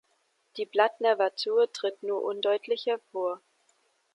Die Blattnervatur tritt nur undeutlich hervor.